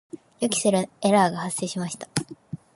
予期せぬエラーが発生しました。